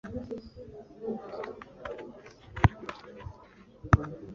Best Artist/Duo/Group African Electro -Such (Zimbabwe)